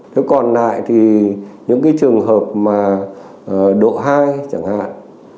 thế còn lại thì những cái trường hợp mà độ hai chẳng hạn